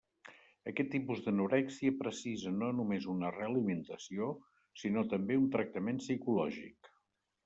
Aquest tipus d'anorèxia precisa no només una realimentació, sinó també un tractament psicològic.